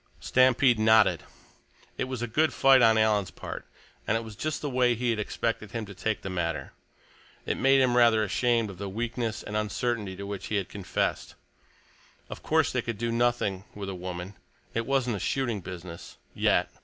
Stampede nodded. It was a good fight on Alan's part, and it was just the way he had expected him to take the matter. It made him rather ashamed of the weakness and uncertainty to which he had confessed. Of course they could do nothing with a woman; it wasn't a shooting business—yet.